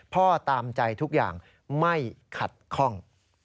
พ่อตามใจทุกอย่างไม่ขัดคล่อง